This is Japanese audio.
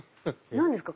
何ですか？